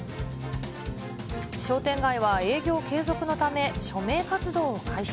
商店街は営業継続のため、署名活動を開始。